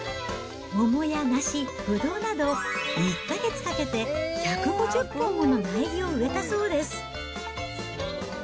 桃や梨、ぶどうなど、１か月かけて１５０本もの苗木を植えたそうです。